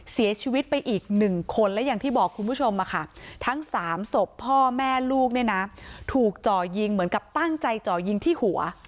เสียชีวิตไปอีกหนึ่งคนทั้ง๓สมพ่อแม่ลูกได้ถูกจ่อยยิงเหมือนกับตั้งใจจ่อยยิงที่หัว